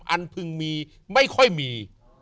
พึงมีไม่ค่อยมี